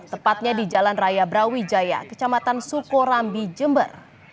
tepatnya di jalan raya brawijaya kecamatan sukorambi jember